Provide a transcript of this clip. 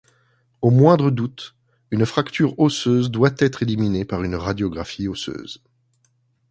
Au moindre doute, une fracture osseuse doit être éliminée par une radiographie osseuse.